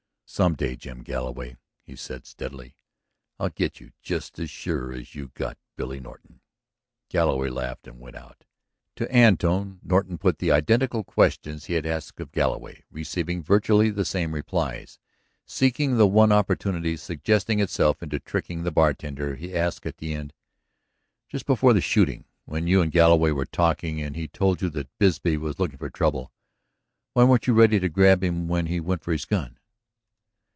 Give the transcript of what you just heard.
"Some day, Jim Galloway," he said steadily, "I'll get you just as sure as you got Billy Norton!" Galloway laughed and went out. To Antone, Norton put the identical questions he had asked of Galloway, receiving virtually the same replies. Seeking the one opportunity suggesting itself into tricking the bartender, he asked at the end: "Just before the shooting, when you and Galloway were talking and he told you that Bisbee was looking for trouble, why weren't you ready to grab him when he went for his gun?"